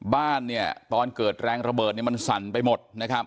บ้านตอนเกิดแรงระเบิดมันสั่นไปหมด